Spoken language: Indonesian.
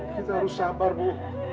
kita harus sabar bu